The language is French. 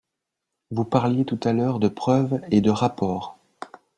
Vous parliez tout à l’heure de preuves et de rapports.